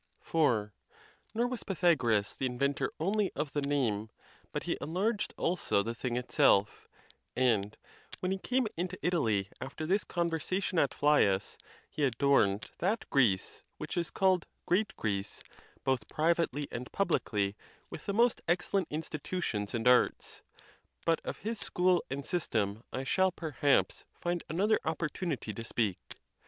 IV. Nor was Pythagoras the inventor only of the name, but he enlarged also the thing itself, and, when he came into Italy after this conversation at Phlius, he adorned that Greece, which is called Great Greece, both privately and publicly, with the most excellent institutions and arts; but of his school and system I shall, perhaps, find another op portunity to speak.